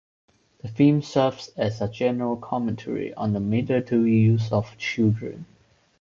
The film serves as a general commentary on the military use of children.